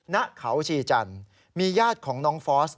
ณเขาชีจันทร์มีญาติของน้องฟอส